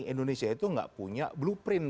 indonesia itu nggak punya blueprint